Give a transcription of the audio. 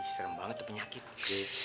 serem banget tuh penyakit cing